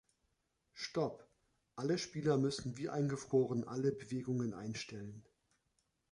Stopp: Alle Spieler müssen wie eingefroren alle Bewegungen einstellen.